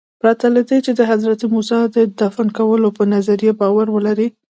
پرته له دې چې د حضرت موسی د دفن کولو په نظریه باور ولرئ.